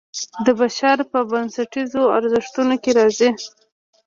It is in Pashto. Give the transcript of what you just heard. د بشر په بنسټیزو ارزښتونو کې راځي.